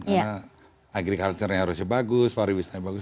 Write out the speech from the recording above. karena agriculture nya harusnya bagus power business nya bagus